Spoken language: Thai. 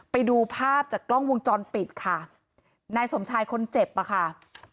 ไปดูภาพจากกล้องวงจรปิดค่ะนายสมชายคนเจ็บอ่ะค่ะ